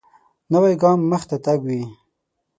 نوی ګام مخته تګ وي